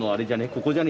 ここじゃね？